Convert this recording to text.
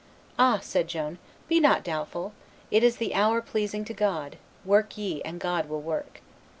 "Ah!" said Joan, "be not doubtful; it is the hour pleasing to God; work ye, and God will work."